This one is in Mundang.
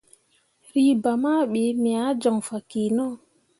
Reba ma ɓii me ah joŋ fah kino.